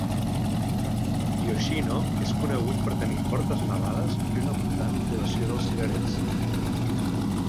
"Yoshino" és conegut per tenir fortes nevades i una abundant floració dels cirerers.